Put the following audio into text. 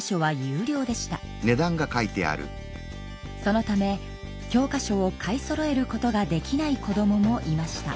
そのため教科書を買いそろえることができない子どももいました。